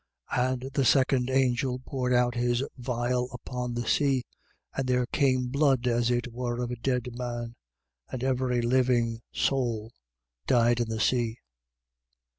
16:3. And the second angel poured out his vial upon the sea. And there came blood as it were of a dead man: and every living soul died in the sea.